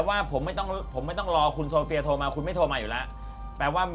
อ๊าคุณรู้สึกว่า